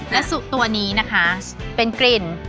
และสุตัวนี้นะคะเป็นกลิ่น